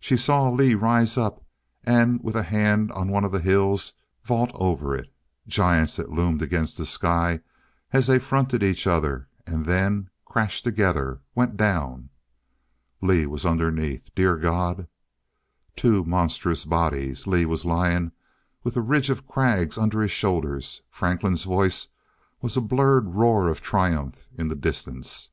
She saw Lee rise up, and with a hand on one of the hills, vault over it. Giants that loomed against the sky as they fronted each other and then crashed together, went down. Lee was underneath! Dear God Two monstrous bodies Lee was lying with a ridge of crags under his shoulders.... Franklin's voice was a blurred roar of triumph in the distance.